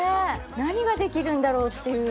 何が出来るんだろう？っていう。